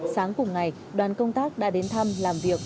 sáng cùng ngày đoàn công tác đã đến thăm làm việc